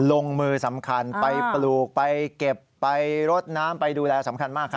ลงมือสำคัญไปปลูกไปเก็บไปรดน้ำไปดูแลสำคัญมากครับ